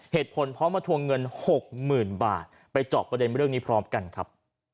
เหตุผลพร้อมมาทวงเงินหกหมื่นบาทไปจอดประเด็นเรื่องนี้พร้อมกันครับ